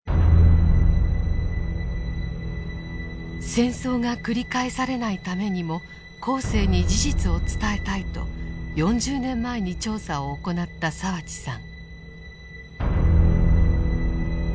戦争が繰り返されないためにも後世に事実を伝えたいと４０年前に調査を行った澤地さん。